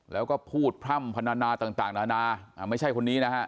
แล้วก็พูดพร่ำพนานาต่างนานาไม่ใช่คนนี้นะฮะ